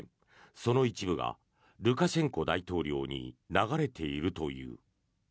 その一部がルカシェンコ大統領に流れているという。